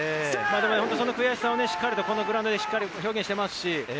その悔しさをグラウンドでしっかり表現しています。